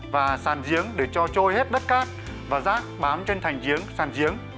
và sàn giếng để cho trôi hết đất cát và rác bám trên thành giếng sàn giếng